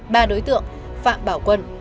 ba đối tượng phạm bảo quân